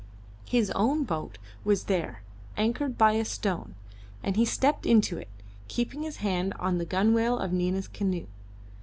His own boat was there anchored by a stone, and he stepped into it, keeping his hand on the gunwale of Nina's canoe.